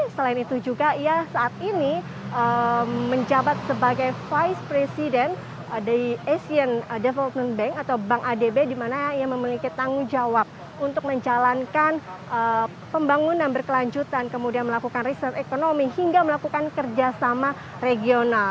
selain itu juga ia saat ini menjabat sebagai vice president asian development bank atau bank adb di mana ia memiliki tanggung jawab untuk menjalankan pembangunan berkelanjutan kemudian melakukan research ekonomi hingga melakukan kerjasama regional